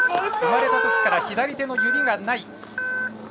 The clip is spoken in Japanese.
生まれたときから左手の指がない。